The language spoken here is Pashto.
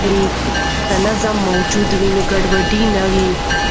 که نظم موجود وي، نو ګډوډي نه وي.